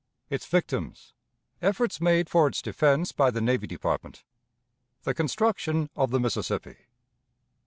Its Victims. Efforts made for its Defense by the Navy Department. The Construction of the Mississippi.